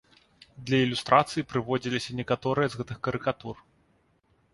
Для ілюстрацыі прыводзіліся некаторыя з гэтых карыкатур.